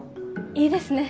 いいですね